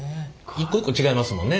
一個一個違いますもんね。